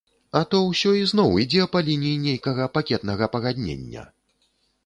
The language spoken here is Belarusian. А то ўсё ізноў ідзе па лініі нейкага пакетнага пагаднення!